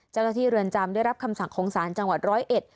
เจ้าหน้าที่เรือนจำได้รับคำสั่งของศาลจังหวัดร้อยเอ็ด